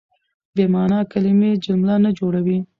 بې مانا کیلمې جمله نه جوړوي.